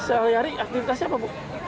sehari hari aktivitasnya apa bu